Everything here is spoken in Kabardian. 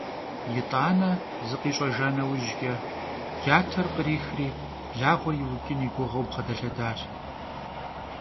Yit'ane, zıkhiş'ejja neujç'e, cater khrixri, blağuer yiuç'ın yi guğeu, bğedelhedaş.